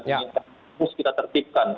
ini harus kita tertipkan